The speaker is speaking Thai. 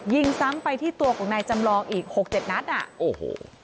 ยิงซ้ำไปที่ตัวของนายจำลองอีกหกเจ็ดนัดอ่ะโอ้โห